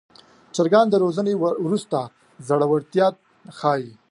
چرګان د روزنې وروسته زړورتیا ښيي.